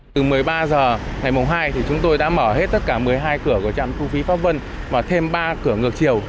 từ một mươi ba h ngày hai thì chúng tôi đã mở hết tất cả một mươi hai cửa của trạm thu phí pháp vân và thêm ba cửa ngược chiều